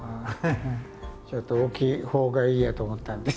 ちょっと大きいほうがいいやと思ったんで。